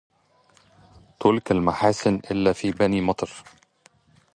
تلقى المحاسن إلا في بني مطر